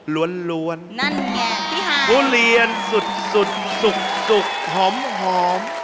ล้วนทุเรียนสุดสุกหอม